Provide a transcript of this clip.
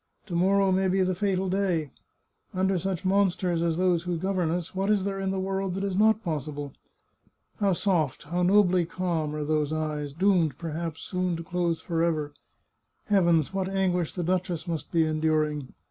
. To morrow may be the fatal day. ... Under such monsters as those who govern us, what is there in the world that is not possible? How soft, how nobly calm, are those eyes, doomed, perhaps, soon to close forever! Heavens, what anguish the duchess must be enduring!